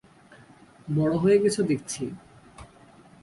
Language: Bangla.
বড় হয়ে গেছ দেখছি!